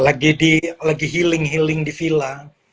lagi di lagi healing healing di vila